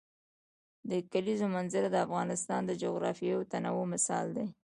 د کلیزو منظره د افغانستان د جغرافیوي تنوع مثال دی.